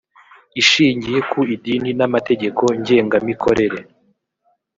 ishingiye ku idini n amategeko ngengamikorere